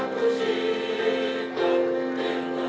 bersih merakyat kerja